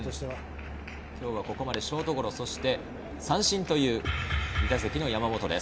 今日はここまでショートゴロ、三振という２打席の山本です。